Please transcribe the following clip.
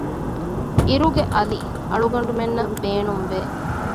އިރުގެ އަލި އަޅުގަނޑުމެންނަށް ބޭނުން ވެ